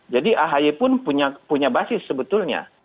jadi ahaye pun punya basis sebetulnya